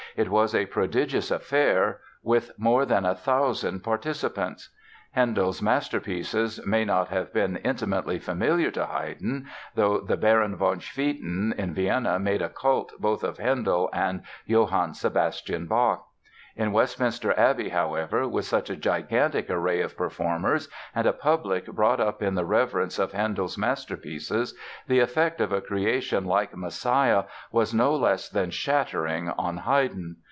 It was a prodigious affair with more than a thousand participants. Handel's masterpieces may not have been intimately familiar to Haydn, though the Baron Van Swieten in Vienna made a cult both of Handel and Johann Sebastian Bach. In Westminster Abbey, however, with such a gigantic array of performers and a public brought up in the reverence of Handel's masterpieces the effect of a creation like "Messiah" was no less than shattering on Haydn.